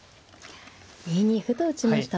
２二歩と打ちました。